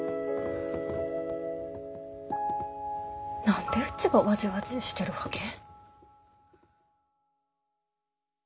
何でうちがわじわじーしてるわけ？